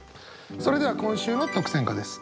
それでは今週の特選歌です。